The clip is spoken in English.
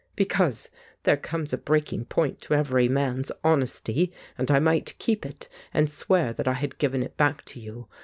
"Because there comes a breaking point to every man's honesty, and I might keep it, and swear that I had given it back to you.